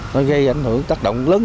nó gây ảnh hưởng tác động lớn